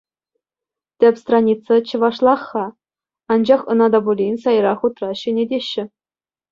Тӗп страница чӑвашлах-ха, анчах ӑна та пулин сайра-хутра ҫӗнетеҫҫӗ.